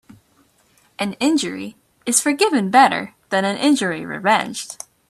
An injury is forgiven better than an injury revenged.